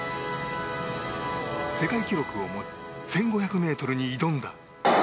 世界記録を持つ１５００ｍに挑んだ。